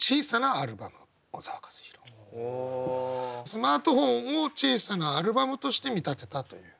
スマートフォンを「小さなアルバム」として見立てたという。